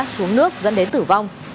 xuống nước dẫn đến tử vong